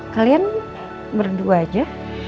kalian berdua aja